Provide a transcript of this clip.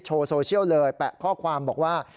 โซเชียลเลยแปะข้อความบอกว่า